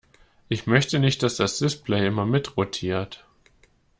Ich möchte nicht, dass das Display immer mitrotiert.